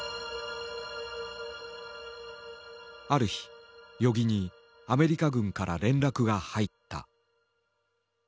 ある日与儀にアメリカ軍から連絡が入った。